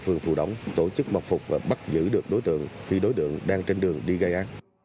phương phủ đóng tổ chức mặc phục và bắt giữ được đối tượng khi đối tượng đang trên đường đi gây án